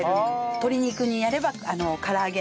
鶏肉にやれば唐揚げ。